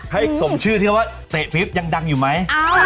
ให้สมชื่อที่เขาว่าเตะพริบยังดังอยู่ไหม